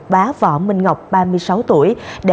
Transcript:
bá võ minh ngọc ba mươi sáu tuổi